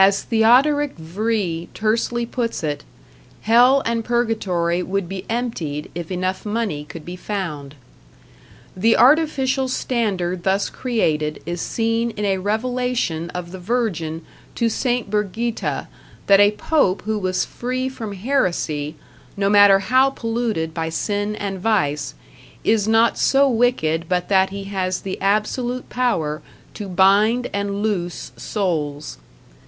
As Theodoric Vrie tersely puts it, hell and purgatory would be emptied if enough money could be found. The artificial standard thus created is seen in a revelation of the Virgin to St. Birgitta, that a Pope who was free from heresy, no matter how polluted by sin and vice, is not so wicked but that he has the absolute power to bind and loose souls.